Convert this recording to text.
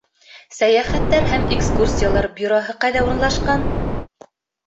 Сәйәхәттәр һәм экскурсиялар бюроһы ҡайҙа урынлашҡан?